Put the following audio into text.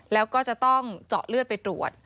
แล้วก็จะต้องเจาะเลือดไปตรวจ